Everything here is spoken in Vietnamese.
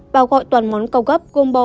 bao gọi toàn món cao gấp gombo